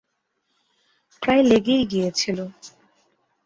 প্রায় লেগেই গিয়েছিল।